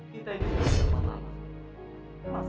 kita itu orang yang serba lama